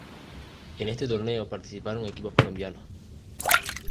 En este torneo participaron equipos colombianos.